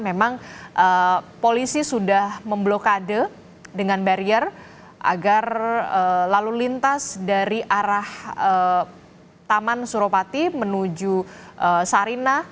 memang polisi sudah memblokade dengan barier agar lalu lintas dari arah taman suropati menuju sarina